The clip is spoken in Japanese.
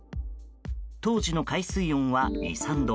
当時の海水温は２３度。